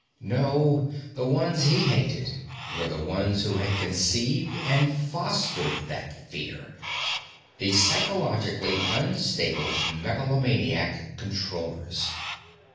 No, the ones he hated were the ones who had conceived and fostered that fear the psychologically unstable megalomaniac Controllers.